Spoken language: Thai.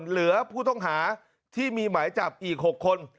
เหลือผู้ต้องหาที่มีหมายจับอีก๖คน